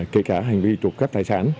kể cả hành vi trục khách tài sản